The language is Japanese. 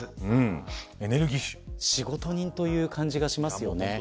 仕事人という感じがしますよね。